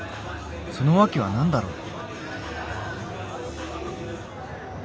その訳は何だろう？